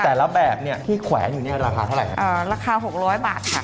แต่ละแบบเนี้ยที่แขวนอยู่เนี่ยราคาเท่าไหร่อ่าราคาหกร้อยบาทค่ะ